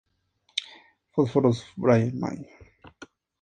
Albans para la compañía de fósforos Bryant May.